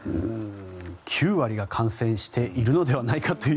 ９割が感染しているのではないかという。